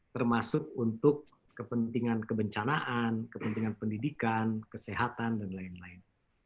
termasuk untuk kepentingan kebencanaan kepentingan pendidikan kesehatan dan lain lain